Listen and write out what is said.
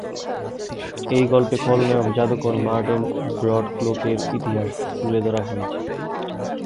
এই গল্পে খলনায়ক জাদুকর মার্টেন ব্রডক্লোকের ইতিহাস তুলে ধরা হয়েছে।